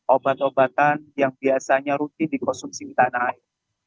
obat obatan yang biasanya rutin dikonsumsi di tanah air